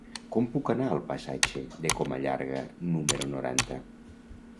Com puc anar al passatge de Casa Llarga número noranta?